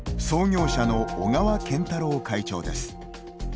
創業者の小川賢太郎会長です。